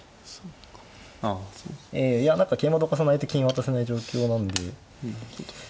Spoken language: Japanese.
ええいや何か桂馬どかさないと金渡せない状況なんで。